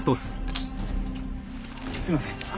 すいません。